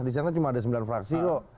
disana cuma ada sembilan fraksi kok